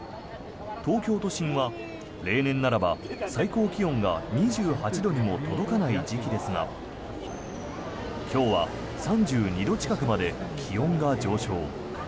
東京都心は例年ならば最高気温が２８度にも届かない時期ですが今日は３２度近くまで気温が上昇。